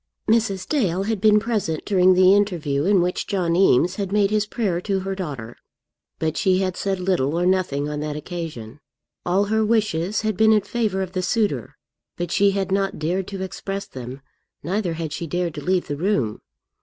Mrs. Dale had been present during the interview in which John Eames had made his prayer to her daughter, but she had said little or nothing on that occasion. All her wishes had been in favour of the suitor, but she had not dared to express them, neither had she dared to leave the room.